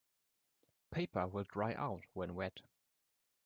Paper will dry out when wet.